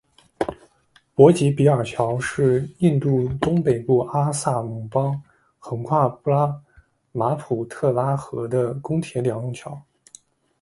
博济比尔桥是印度东北部阿萨姆邦横跨布拉马普特拉河的公铁两用桥。